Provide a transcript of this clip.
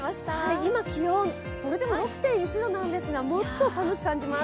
今、気温、それでも６．１度なんですがもっと寒く感じます。